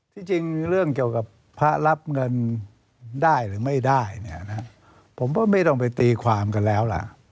ที่จริงเรื่องเกี่ยวกับพระรับเงินได้หรือไม่ได้เนี่ยนะผมว่าไม่ต้องไปตีความกันแล้วล่ะ